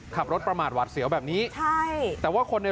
ขับรถประมาณหวัดเสียวแบบนี้